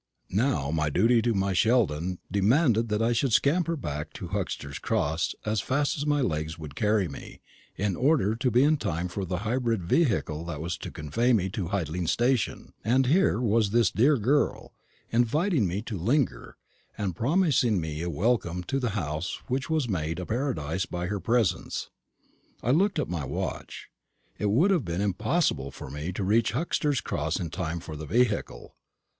Now my duty to my Sheldon demanded that I should scamper back to Huxter's Cross as fast as my legs would carry me, in order to be in time for the hybrid vehicle that was to convey me to Hidling station; and here was this dear girl inviting me to linger, and promising me a welcome to the house which was made a paradise by her presence. I looked at my watch. It would have been impossible for me to reach Huxter's Cross in time for the vehicle.